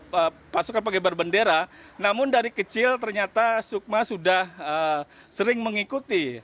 pada pasukan pengembara bendera namun dari kecil ternyata sukmadewi sudah sering mengikuti